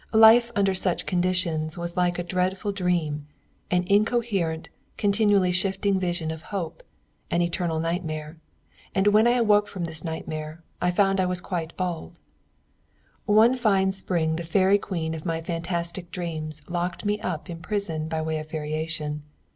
Life under such conditions was like a dreadful dream an incoherent, continually shifting vision of hope, an eternal nightmare; and when I awoke from this nightmare I found I was quite bald. One fine spring the Fairy Queen of my fantastic dreams locked me up in prison by way of variation.